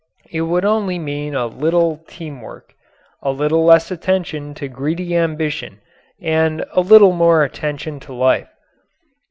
It would only mean a little teamwork a little less attention to greedy ambition and a little more attention to life.